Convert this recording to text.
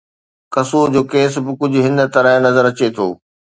قصور جو ڪيس به ڪجهه هن طرح نظر اچي ٿو.